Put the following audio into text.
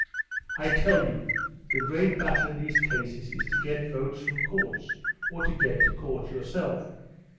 I tell you, the great battle in these cases is to get votes from courts, or to get to court yourself.